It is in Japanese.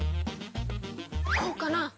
こうかな？